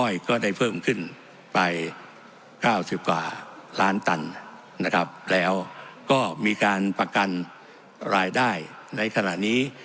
อ้อยก็ได้เพิ่มขึ้นไป๙๐กว่าล้านตันนะครับแล้วก็มีการประกันรายได้ในขณะนี้